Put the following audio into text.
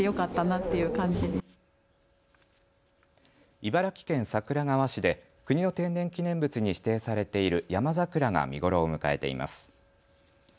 茨城県桜川市で国の天然記念物に指定されているヤマザクラが見頃を迎えています。